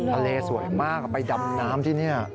สวยมากไปดำน้ำที่นี่